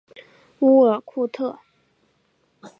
乌尔库特。